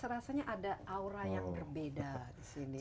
serasanya ada aura yang berbeda disini